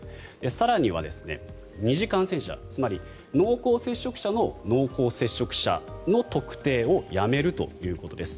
更には二次感染者つまり濃厚接触者の濃厚接触者の特定をやめるということです。